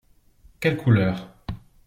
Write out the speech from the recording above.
Quelle couleur ?